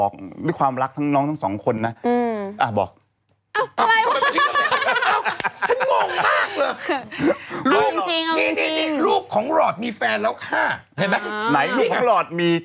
ไอ้ที่ความหวานมันก็กลายเป็นยาพิษไง